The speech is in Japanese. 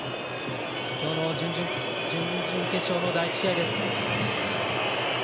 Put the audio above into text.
今日の準々決勝の第１試合です。